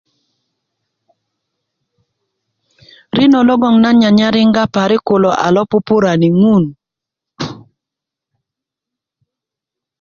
rinö logoŋ nan nyanyar yiyiŋga parik kulo a lo pupurani ŋun